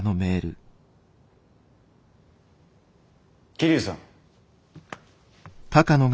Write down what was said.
桐生さん。